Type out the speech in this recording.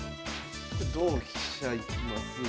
同飛車いきます。